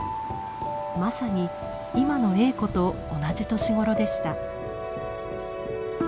まさに今のエーコと同じ年頃でした。